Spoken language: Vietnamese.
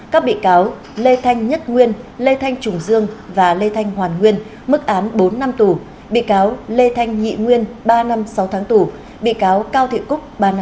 các bị cáo lê thanh nhất nguyên lê thanh trùng dương và lê thanh hoàn nguyên mức án bốn năm tủ